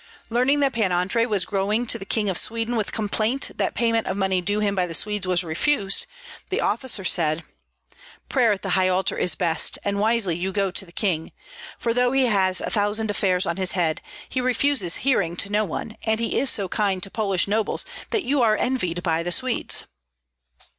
Learning that Pan Andrei was going to the King of Sweden with complaint that payment of money due him by the Swedes was refused, the officer said, "Prayer at the high altar is best, and wisely you go to the king; for though he has a thousand affairs on his head, he refuses hearing to no one, and he is so kind to Polish nobles that you are envied by the Swedes."